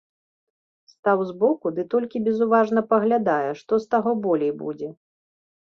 Стаў збоку ды толькі безуважна паглядае, што з таго болей будзе.